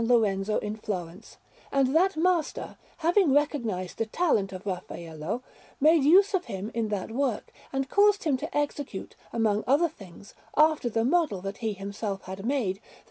Lorenzo in Florence; and that master, having recognized the talent of Raffaello, made use of him in that work, and caused him to execute, among other things, after the model that he himself had made, the S.